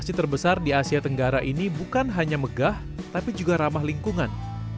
masjid terbesar di asia tenggara ini bukan hanya megah tapi juga ramah lingkungan